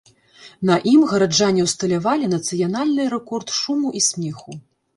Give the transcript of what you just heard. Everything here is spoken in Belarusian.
На ім гараджане ўсталявалі нацыянальны рэкорд шуму і смеху.